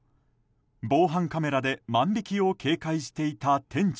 防犯カメラで万引きを警戒していた店長。